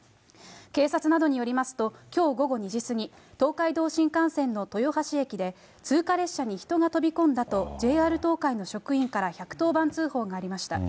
警察などによりますと、きょう午後２時過ぎ、東海道新幹線の豊橋駅で、通過列車に人が飛び込んだと、ＪＲ東海の職員から１１０番通報がありました。